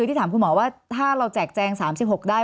ที่ถามคุณหมอว่าถ้าเราแจกแจง๓๖ได้